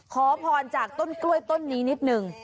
ขอพรจากต้นกล้วยต้นนี้นิดนึง